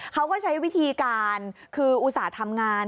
เขาก็ใช้วิธีการคืออุตส่าห์ทำงาน